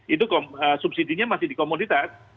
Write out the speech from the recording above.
itu subsidinya masih dikomoditas